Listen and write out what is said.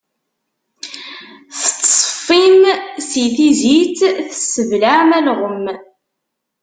Tettṣeffim si tizit, tesseblaɛem alɣem.